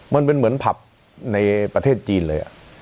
มันเป็นเหมือนผับในประเทศจีนเลย